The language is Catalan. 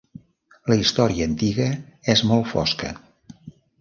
La història antiga és molt fosca.